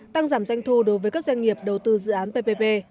tăng giảm doanh thu đối với các doanh nghiệp đầu tư dự án ppp